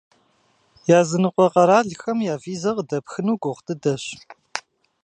Языныкъуэ къэралхэм я визэ къыдэпхыну гугъу дыдэщ.